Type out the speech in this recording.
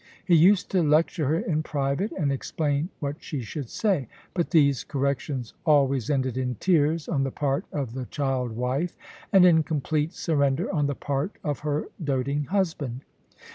He used to lecture her in private and explain what she should say; but these corrections always ended in tears on the part of the child wife, and in complete surrender on the part of her doting husband.